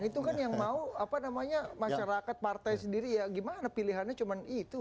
itu kan yang mau apa namanya masyarakat partai sendiri ya gimana pilihannya cuma itu